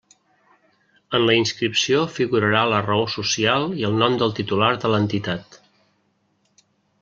En la inscripció figurarà la raó social i el nom del titular de l'entitat.